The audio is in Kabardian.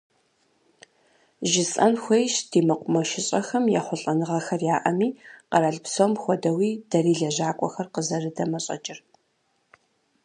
Жысӏэн хуейщ, ди мэкъумэшыщӏэхэм ехъулӏэныгъэхэр яӏэми, къэрал псом хуэдэуи, дэри лэжьакӏуэхэр къызэрыдэмэщӏэкӏыр.